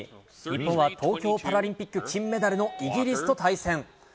日本は東京パラリンピック金メダルのイギリスと対戦。